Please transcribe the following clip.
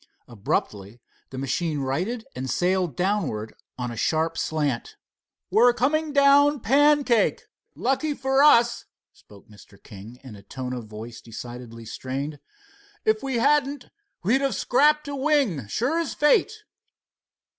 Abruptly the machine righted and sailed downwards on a sharp slant. "We're coming down pancake. Lucky for us," spoke Mr. King in a tone of voice decidedly strained. "If we hadn't, we would have scraped a wing, sure as fate."